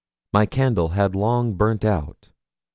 My candle had long burnt out.